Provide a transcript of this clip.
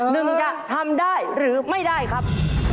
หนึ่งจะทำได้หรือไม่ได้ครับ